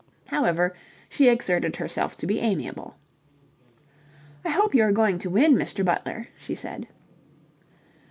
However, she exerted herself to be amiable. "I hope you are going to win, Mr. Butler," she said.